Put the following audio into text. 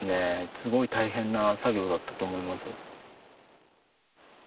すごい大変な作業だったと思います。